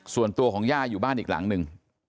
ส่วนตัวของย่าอยู่บ้านอีกหลังหนึ่ง